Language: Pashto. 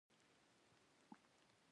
د الوویرا کښت ګټور دی؟